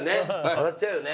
笑っちゃうよね。